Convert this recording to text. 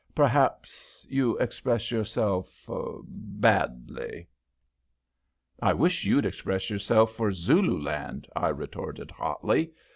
Perhaps you express yourself badly." "I wish you'd express yourself for Zulu land," I retorted, hotly.